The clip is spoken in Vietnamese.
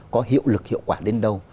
có hiệu lực hiệu quả đến đâu